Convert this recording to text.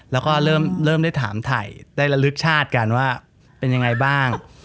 แล้วก็เริ่มได้ถามถ่ายได้ระลึกชาติกันว่าเป็นยังไงบ้าง